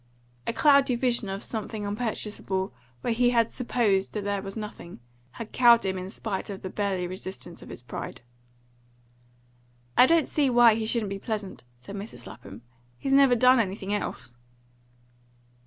A cloudy vision of something unpurchasable, where he had supposed there was nothing, had cowed him in spite of the burly resistance of his pride. "I don't see why he shouldn't be pleasant," said Mrs. Lapham. "He's never done anything else."